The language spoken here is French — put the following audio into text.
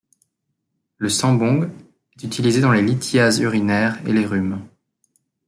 Le sambong est utilisé dans les lithiases urinaires et les rhumes.